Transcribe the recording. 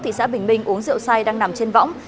thị xã bình bình uống rượu say đang nằm trên võng